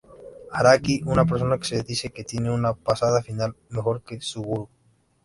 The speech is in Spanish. Araki, una persona que se dice que tiene una pasada final mejor que Suguru.